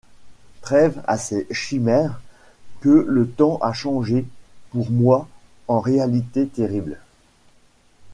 Trêve à ces chimères que le temps a changées pour moi en réalités terribles.